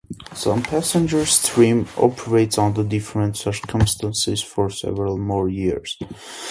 Some passenger steam operates under different circumstances for several more years.